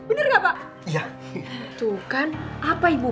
bener nggak pak